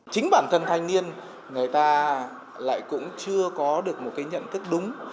chính bản thân thanh niên người ta lại cũng chưa có được một cái nhận thức đúng